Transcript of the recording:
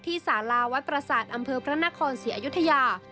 สาราวัดประสาทอำเภอพระนครศรีอยุธยา